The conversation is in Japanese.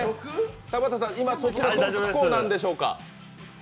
田畑さん、今そちら、どこなんでしょうか。